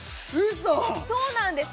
そうなんです